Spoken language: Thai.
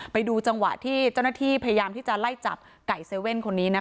ไปดูจังหวะที่เจ้าหน้าที่พยายามที่จะไล่จับไก่เซเว่นคนนี้นะคะ